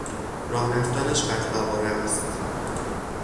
راه رفتنش بدقواره است.